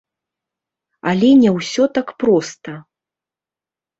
Але не ўсё так проста.